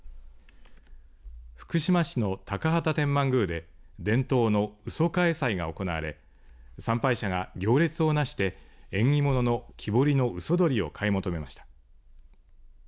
福島市の高畑天満宮で伝統のうそかえ祭が行われ参拝者が行列をなして縁起物の木彫りの鷽鳥を買い求めました。